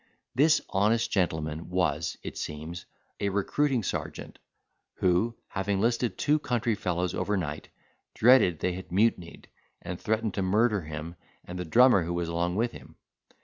This honest gentleman was, it seems, a recruiting sergeant, who, having listed two country fellows over night, dreaded they had mutinied, and threatened to murder him and the drummer who was along with him.